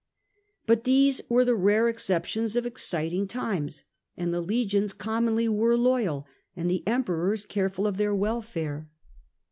But these were the rare exceptions of exciting times, and the legions commonly were loyal, and the Emperors careful of their welfare.